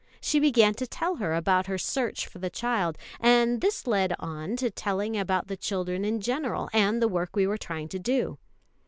She began to tell her about her search for the child; and this led on to telling about the children in general, and the work we were trying to do.